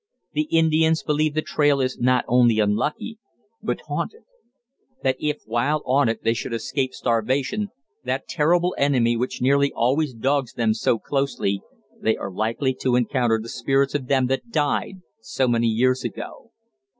The Indians believe the trail is not only unlucky, but haunted; that if while on it they should escape Starvation that terrible enemy which nearly always dogs them so closely they are likely to encounter the spirits of them that died so many years ago.